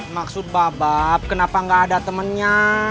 maksud babab kenapa gak ada temennya